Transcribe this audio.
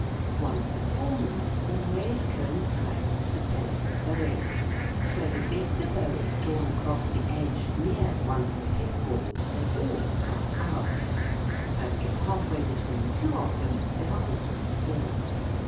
One of the former always coincides with the place of bowing, so that if the bow is drawn across the edge near one of the pith balls they all fly out, but if half way between two of them they are 88 THE WORLD OF SOUND all still.